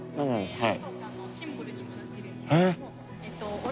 はい。